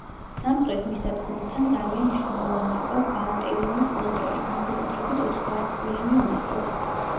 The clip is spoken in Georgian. სამხრეთ მისადგომთან, ძალიან მნიშვნელოვანი იყო ვალტელინის კონტროლი, განსაკუთრებით ოცდაათწლიანი ომის დროს.